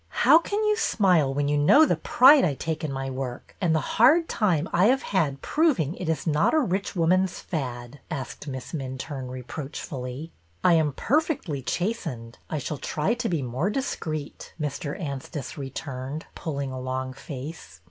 " How can you smile when you know the pride I take in my work and the hard time I have had proving it is not a rich woman's fad ?" asked Miss Minturne, reproachfully. " I am perfectly chastened. I shall try to be more discreet," Mr. Anstice returned, pulling a long face.